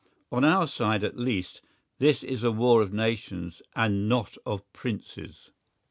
On our side, at least, this is a war of nations and not of princes.